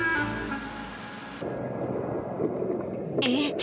えっ？